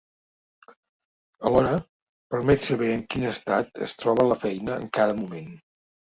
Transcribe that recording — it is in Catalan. Alhora, permet saber en quin estat es troba la feina en cada moment.